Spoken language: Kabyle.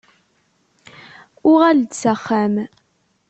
Uɣal-d s axxam.